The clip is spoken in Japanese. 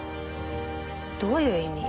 どういう意味？